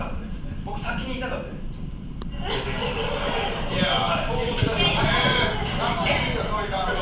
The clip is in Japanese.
僕、先に言いたかったですプレゼンを。